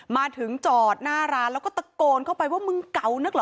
มาถึงจอดหน้าร้านแล้วก็ตะโกนเข้าไปว่ามึงเก่านักเหรอ